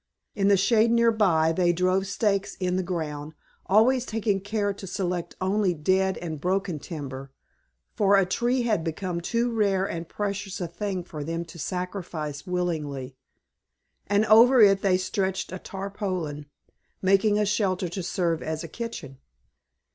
In the shade near by they drove stakes in the ground (always taking care to select only dead and broken timber, for a tree had become too rare and precious a thing for them to sacrifice willingly), and over it they stretched a tarpaulin, making a shelter to serve as a kitchen.